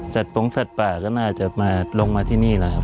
ปงสัตว์ป่าก็น่าจะมาลงมาที่นี่แหละครับ